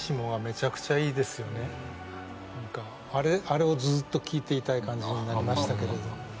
あれをずっと聴いていたい感じになりましたけれど。